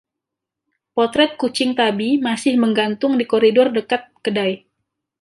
Potret kucing tabi masih menggantung di koridor dekat kedai.